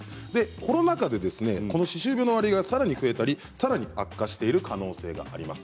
コロナ禍でこの歯周病の割合がさらに増えたりさらに悪化したりしている可能性があります。